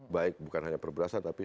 baik bukan hanya perberasan tapi